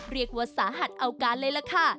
เรียกว่าสาหัสเอาการเลยล่ะค่ะ